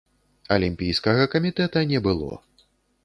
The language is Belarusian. Алімпійскага камітэта не было.